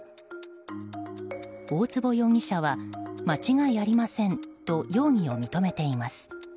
大坪容疑者は間違いありませんと容疑を認めています。